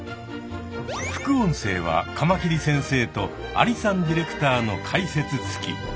副音声はカマキリ先生とアリさんディレクターの解説つき。